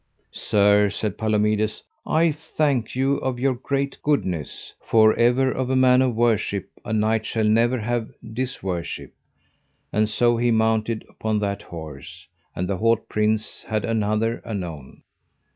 Sir, said Palomides, I thank you of your great goodness, for ever of a man of worship a knight shall never have disworship; and so he mounted upon that horse, and the haut prince had another anon.